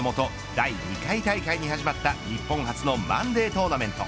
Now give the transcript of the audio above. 第２回大会に始まった日本初のマンデートーナメント。